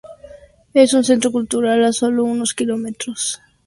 Es un centro cultural, a sólo unos kilómetros de distancia de Connaught Place.